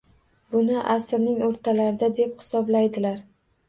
Buni asrning oʻrtalarida, deb hisoblaydilar.